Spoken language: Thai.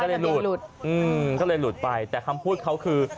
มันก็เลยหลุดไปแต่คำพูดเขาคือ